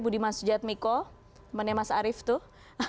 budi masujad miko teman teman mas arief tuh